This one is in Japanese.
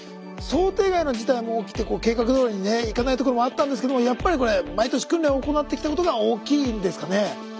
想定外の事態も起きて計画どおりにねいかないところもあったんですけどもやっぱりこれ毎年訓練を行ってきたことが大きいんですかね？